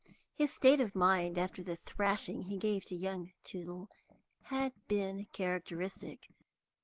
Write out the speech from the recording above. His state of mind after the thrashing he gave to young Tootle had been characteristic.